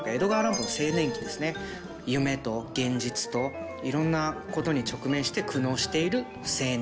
夢と現実といろんなことに直面して苦悩している青年。